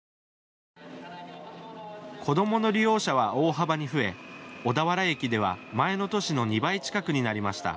子どもの利用者は大幅に増え小田原駅では前の年の２倍近くになりました。